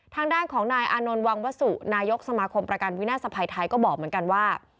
ทางด้านของนายอานนท์วังวสุนายกสมาคมประกันวินาศภัยไทยก็บอกเหมือนกันว่า